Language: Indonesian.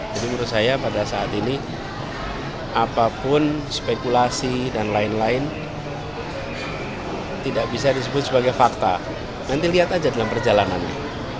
jadi menurut saya pada saat ini apapun spekulasi dan lain lain tidak bisa disebut sebagai fakta nanti lihat aja dalam perjalanannya